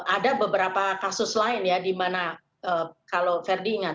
ada beberapa kasus lain ya di mana kalau verdi ingat